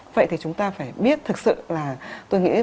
vậy thì chúng ta phải biết thực sự là tôi nghĩ